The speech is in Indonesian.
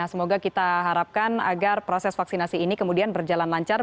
semoga kita harapkan agar proses vaksinasi ini kemudian berjalan lancar